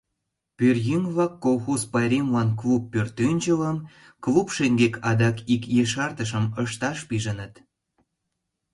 Пӧръеҥ-влак колхоз пайремлан клуб пӧртӧнчылым, клуб шеҥгек адак ик ешартышым ышташ пижыныт.